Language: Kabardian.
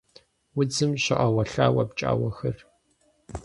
Удзым щоӀэуэлъауэ пкӀауэхэр.